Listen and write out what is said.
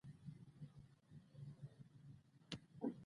بل وار به که خدای کول دا هم له ځان سره بوځم.